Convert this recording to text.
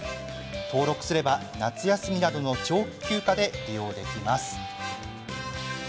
登録すれば、夏休みなどの長期休暇で利用できます。